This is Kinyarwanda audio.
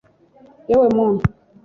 yewe muntu !!